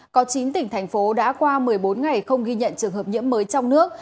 có chín tỉnh thành phố đã qua một mươi bốn ngày không ghi nhận trường hợp nhiễm mới trong nước